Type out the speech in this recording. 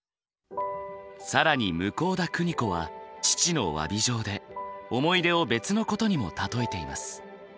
更に向田邦子は「父の詫び状」で思い出を別のことにも例えています。